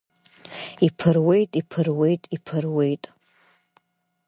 Иԥыруеит, иԥыруеит, иԥыруеит…